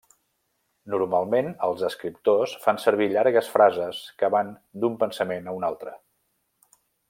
Normalment, els escriptors fan servir llargues frases que van d'un pensament a un altre.